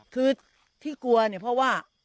คือที่กลัวเนี่ยเพราะว่า